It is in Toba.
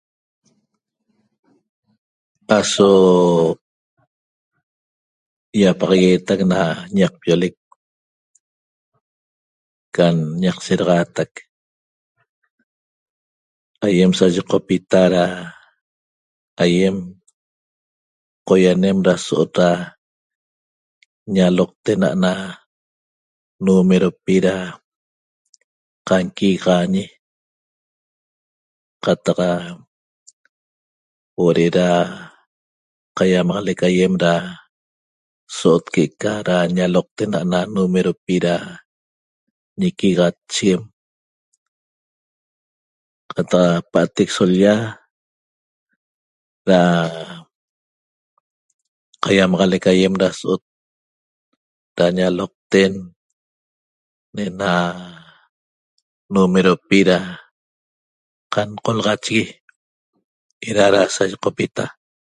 Aso iapaxaguetac na ñaqpiolec can ñaq seraxatac aiem sa yecopita ra aiem qoianem ra so'ot ra ñaloqten ana numeropi ra qanquigaxañi qataq huo'o re'era qaiamaxalec aiem ra so'ot que'eca ñaloqten numeropi ra ñiquigatsheguem qataq pa'atec so l-lla ra qaiamaxalec aiem ra so'ot ra ñaloqten ne'ena numeropi ra qancolaxachi era ra sa ñeqopita